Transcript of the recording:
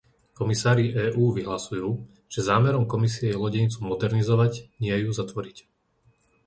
Komisári EÚ vyhlasujú, že zámerom Komisie je lodenicu modernizovať, nie ju zatvoriť.